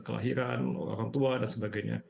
kelahiran orang tua dsb